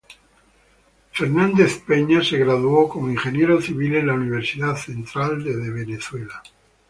Fernández Peña se graduó como ingeniero civil en la Universidad Central de Venezuela.